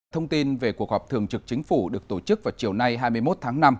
thông tin về cuộc họp thường trực chính phủ được tổ chức vào chiều nay hai mươi một tháng năm